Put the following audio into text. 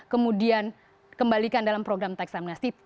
kemudian kembalikan dalam program tax amnesty